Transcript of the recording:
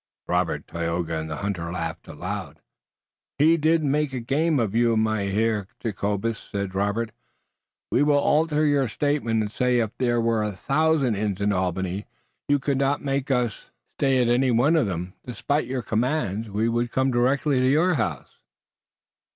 Robert, Tayoga and the hunter laughed aloud. "He did but make game of you, Mynheer Jacobus," said Robert. "We will alter your statement and say if there were a thousand inns in Albany you could not make us stay at any one of them. Despite your commands we would come directly to your house."